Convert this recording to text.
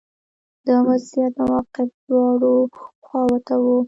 د وضعیت عواقب دواړو خواوو ته وو